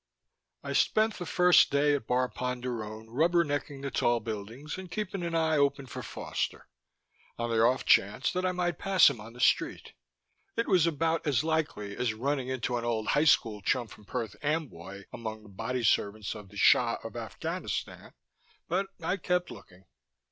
I spent the first day at Bar Ponderone rubber necking the tall buildings and keeping an eye open for Foster, on the off chance that I might pass him on the street. It was about as likely as running into an old high school chum from Perth Amboy among the body servants of the Shah of Afghanistan, but I kept looking.